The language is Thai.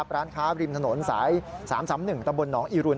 ร้านค้าริมถนนสาย๓๓๑ตำบลหนองอีรุน